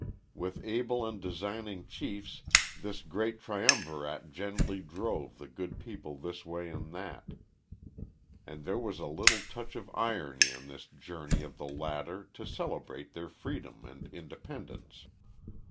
With able and designing chiefs this great triumvirate gently drove the good people this way and that, and there was a little touch of irony in this journey of the latter to celebrate their freedom and independence.